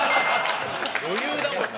余裕だもんな。